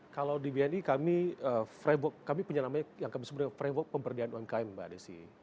kalau di bni kami framework kami punya namanya yang kami sebutnya framework pemberdayaan umkm mbak desi